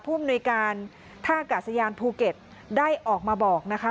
อำนวยการท่ากาศยานภูเก็ตได้ออกมาบอกนะคะ